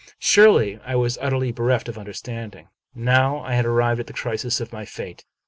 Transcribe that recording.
Surely I was ut terly bereft of understanding. Now I had arrived at the crisis of my fate.